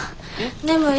眠い。